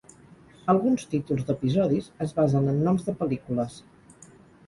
Alguns títols d'episodis es basen en noms de pel·lícules.